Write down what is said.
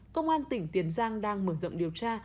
công an tỉnh tiền giang đang mở rộng điều tra